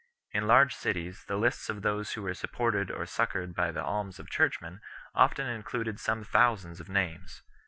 In large cities the lists of those who were supported or succoured by the alms of churchmen often included some thousands of names.